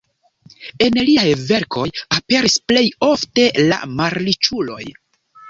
En liaj verkoj aperis plej ofte la malriĉuloj.